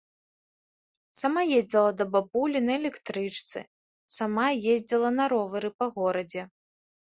Сама ездзіла да бабулі на электрычцы, сама ездзіла на ровары па горадзе.